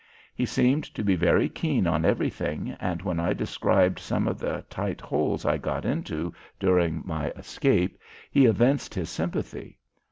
He seemed to be very keen on everything, and when I described some of the tight holes I got into during my escape he evinced his sympathy.